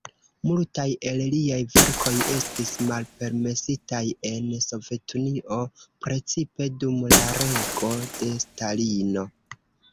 Multaj el liaj verkoj estis malpermesitaj en Sovetunio, precipe dum la rego de Stalino.